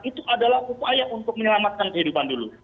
itu adalah upaya untuk menyelamatkan kehidupan dulu